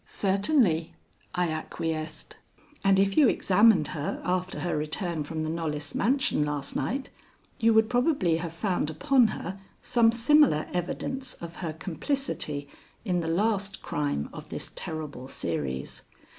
"Certainly," I acquiesced, "and if you examined her after her return from the Knollys mansion last night you would probably have found upon her some similar evidence of her complicity in the last crime of this terrible series.